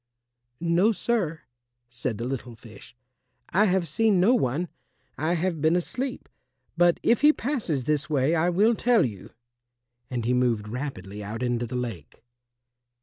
"No, sir," said the little fish, "I have seen no one; I have been asleep. But if he passes this way I will tell you," and he moved rapidly out into the lake.